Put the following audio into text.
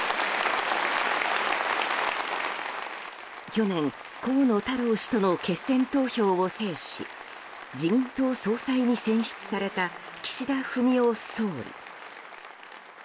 去年、河野太郎氏との決選投票を制し自民党総裁に選出された岸田文雄総理。